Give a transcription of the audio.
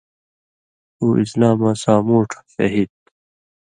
اُو اِسلاماں سامُوٹھوۡ شھید تُھو۔